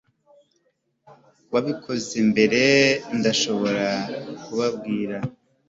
wabikoze mbere, ndashobora kubabwira